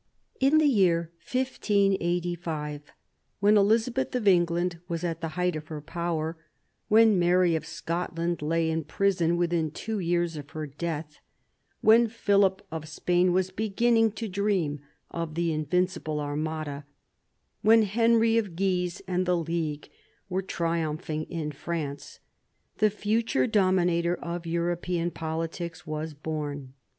IN the year 1585, when Elizabeth of England was at the height of her power, when Mary of Scotland lay in prison within two years of her death, when Philip of Spain was beginning to dream of the Invincible Armada, when Henry of Guise and the League were triumphing in France, the future dominator of European politics was born.